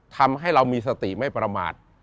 ทำให้เรามีสติไม่ประมาท